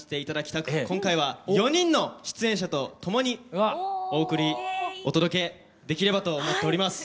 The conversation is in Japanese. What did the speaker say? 今回は４人の出演者と共にお送りお届けできればと思っております。